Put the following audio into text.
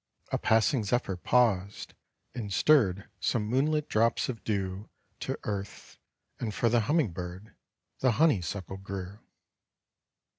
A passing zephyr paused, and stirred Some moonlit drops of dew To earth; and for the humming bird The honeysuckle grew."